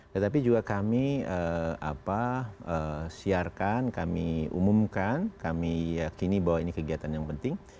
tetapi juga kami siarkan kami umumkan kami yakini bahwa ini kegiatan yang penting